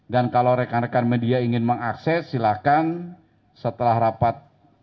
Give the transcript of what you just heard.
dan kalau rekan rekan media ingin mengakses silakan setelah rapat